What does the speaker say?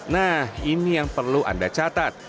nah ini yang perlu anda catat